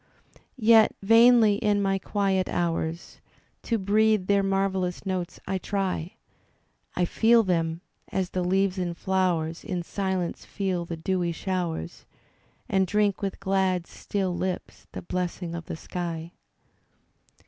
Yet, vainly in my quiet hours To breathe their marvellous notes I try; I fed them, as the leaves and flowers In silence fed the dewy showers. And drink with glad, still lips the blessing of the sky.